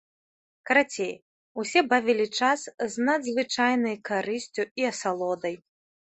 Карацей, усе бавілі час з надзвычайнай карысцю і асалодай.